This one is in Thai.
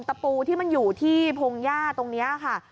ตะปูที่มันอยู่ที่พงหญ้าตรงนี้ค่ะ